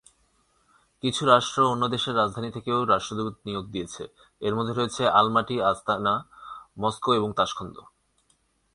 কিছু রাষ্ট্র অন্য দেশের রাজধানী থেকেও রাষ্ট্রদূত নিয়োগ দিয়েছে, এরমধ্যে রয়েছে- আলমাটি/আস্তানা, মস্কো এবং তাশখন্দ।